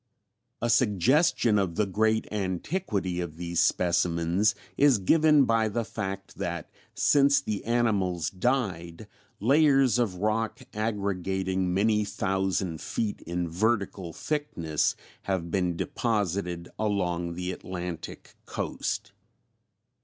A suggestion of the great antiquity of these specimens is given by the fact that since the animals died layers of rock aggregating many thousand feet in vertical thickness have been deposited along the Atlantic coast.